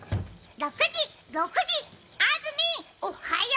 ６時、６時、安住、おはよう！